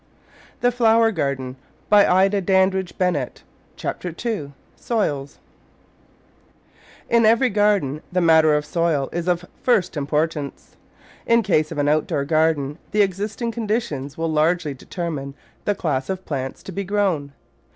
Digitized by Google Chapter TITO &Ott* IN every garden the matter of soil is of first im portance. In case of an outdoor garden the existing conditions will largely determine the class of plants to be grown.